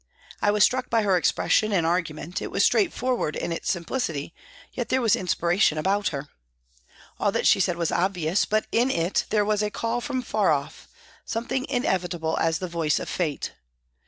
I was struck by her expression and argu ment, it was straightforward in its simplicity, yet there was inspiration about her. All that she said was obvious, but in it there was a call from far off, something inevitable as the voice of fate.